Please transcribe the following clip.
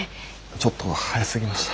ちょっと早すぎました。